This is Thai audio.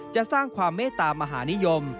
จะสร้างความเมตตามหานิยม